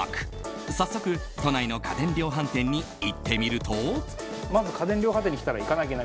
早速、都内の家電量販店に行ってみると。